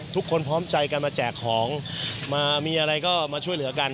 พร้อมใจกันมาแจกของมามีอะไรก็มาช่วยเหลือกัน